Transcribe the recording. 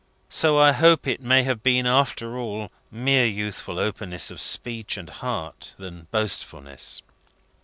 So I hope it may have been, after all, more youthful openness of speech and heart than boastfulness."